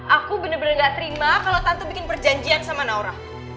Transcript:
aku bener bener gak terima kalau tante bikin perjanjian sama naura